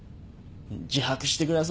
自白してください。